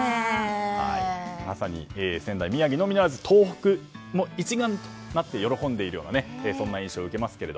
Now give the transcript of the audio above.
まさに仙台、宮城のみならず東北も一丸となって喜んでいるような印象を受けます。